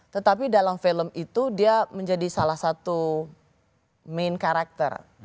tetapi dalam film itu dia menjadi salah satu main karakter